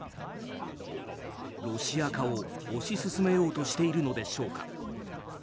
ロシア化を推し進めようとしているのでしょうか。